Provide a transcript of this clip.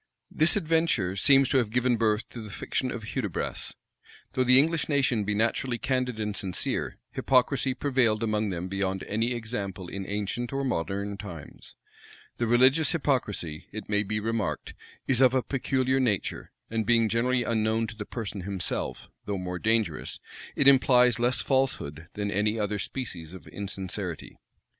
This adventure seems to have given birth to the fiction of Hudibras. Though the English nation be naturally candid and sincere, hypocrisy prevailed among them beyond any example in ancient or modern times. The religious hypocrisy, it may be remarked, is of a peculiar nature; and being generally unknown to the person himself, though more dangerous, it implies less falsehood than any other species of insincerity.